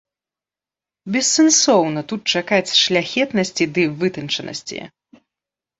Бессэнсоўна тут чакаць шляхетнасці ды вытанчанасці.